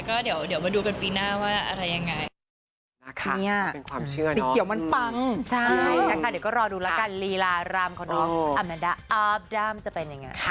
ก็เดี๋ยวมาดูกันปีหน้าว่าอะไรยังไง